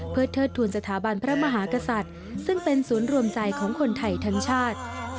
เพื่อเทิดทูลสถาบันพระมหากษัตริย์ซึ่งเป็นศูนย์รวมใจของคนไทยทั้งชาติ